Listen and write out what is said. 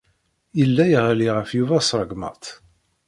Yella iɣelli ɣef Yuba s rregmat.